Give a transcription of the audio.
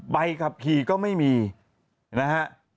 ใบขับขี่ก็ไม่มีนะฮะ